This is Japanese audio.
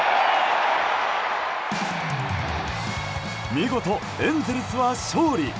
見事、エンゼルスは勝利！